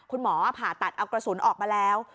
คุณหมอผ่าตัดเอากระสุนออกมาแล้ว